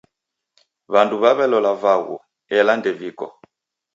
W'andu w'aw'elola vaghu, ela ndeviko